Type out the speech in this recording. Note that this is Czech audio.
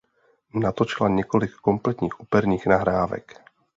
Natočila několik kompletních operních nahrávek.